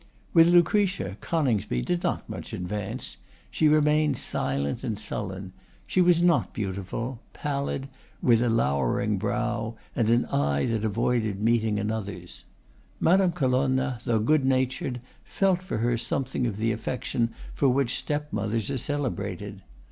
With Lucretia, Coningsby did not much advance. She remained silent and sullen. She was not beautiful; pallid, with a lowering brow, and an eye that avoided meeting another's. Madame Colonna, though good natured, felt for her something of the affection for which step mothers are celebrated.